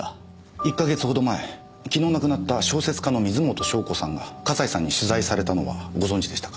１か月ほど前昨日亡くなった小説家の水元湘子さんが笠井さんに取材されたのはご存じでしたか？